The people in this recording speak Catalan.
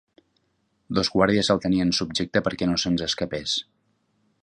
Dos guàrdies el tenien subjecte perquè no se'ns escapés.